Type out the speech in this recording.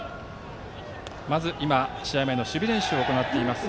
まず試合前の守備練習を行っています